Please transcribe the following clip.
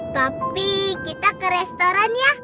tapi kita ke restoran ya